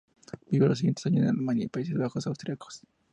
Vivió los siguientes años en Alemania y los Países Bajos Austríacos.